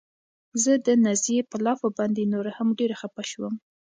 زه د نازيې په لافو باندې نوره هم ډېره خپه شوم.